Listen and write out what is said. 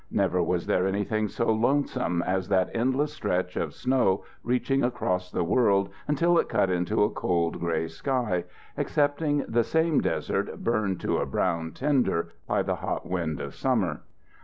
Never was there anything so lonesome as that endless stretch of snow reaching across the world until it cut into a cold grey sky, excepting the same desert burned to a brown tinder by the hot wind of summer.